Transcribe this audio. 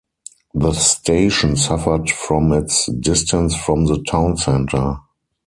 The station suffered from its distance from the town centre.